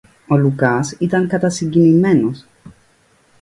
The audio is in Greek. Ο Λουκάς ήταν κατασυγκινημένος.